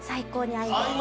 合いますわ。